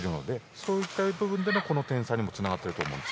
そういった部分でもこの点差につながってると思うんです。